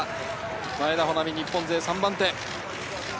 前田穂南、日本勢３番手。